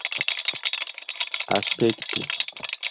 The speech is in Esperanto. aspekti